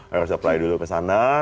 harus apply dulu kesana